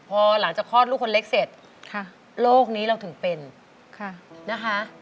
พอหลังจากคลอดลูกคนเล็กเสร็จโรคนี้เราถึงเป็นนะคะ